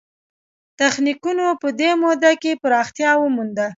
تخنیکونو په دې موده کې پراختیا ومونده.